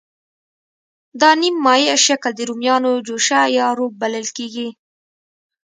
دا نیم مایع شکل د رومیانو جوشه یا روب بلل کېږي.